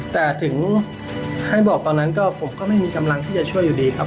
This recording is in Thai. แต่ถึงให้บอกตอนนั้นก็ผมก็ไม่มีกำลังที่จะช่วยอยู่ดีครับ